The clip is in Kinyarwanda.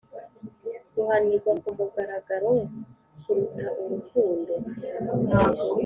Guhanirwa ku mugaragaro Kuruta urukundo